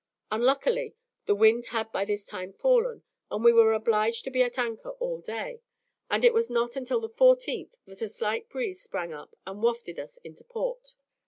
Unluckily, the wind had by this time fallen, and we were obliged to be at anchor all day, and it was not until the 14th that a slight breeze sprang up and wafted us into port.